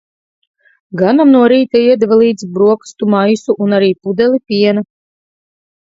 Ganam no rīta iedeva līdzi brokastu maisu un arī pudeli piena.